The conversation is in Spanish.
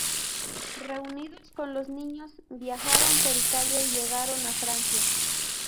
Reunidos con los niños, viajaron por Italia y llegaron a Francia.